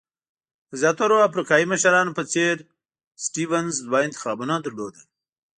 د زیاترو افریقایي مشرانو په څېر سټیونز دوه انتخابونه درلودل.